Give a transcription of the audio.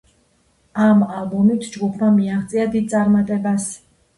ამ ალბომით ჯგუფმა მიაღწია დიდ წარმატებას.